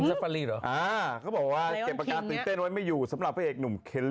ไม่กินเยอะอยู่แล้ว